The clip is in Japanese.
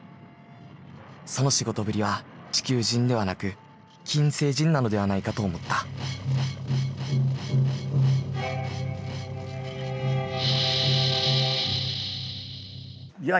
その仕事ぶりは地球人ではなく金星人なのではないかと思ったいや